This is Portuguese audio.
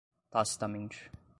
tacitamente